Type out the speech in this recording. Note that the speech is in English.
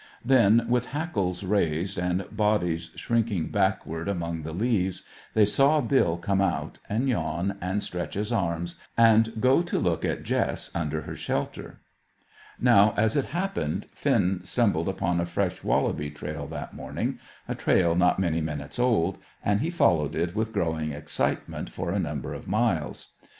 Then, with hackles raised, and bodies shrinking backward among the leaves, they saw Bill come out, and yawn, and stretch his arms, and go to look at Jess, under her shelter. Now as it happened, Finn stumbled upon a fresh wallaby trail that morning, a trail not many minutes old; and he followed it with growing excitement for a number of miles.